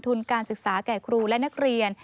ทุนการศึกษาแก่ครูและนักเรียน